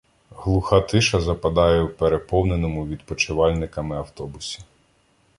Глуха тиша западає в переповненому відпочивальниками автобусі